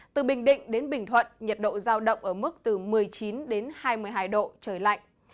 từ bình định đến bình thuận nhiệt độ giao động ở mức từ một mươi chín đến hai mươi hai độ trời lạnh